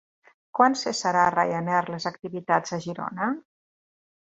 Quan cessarà Ryanair les activitats en Girona?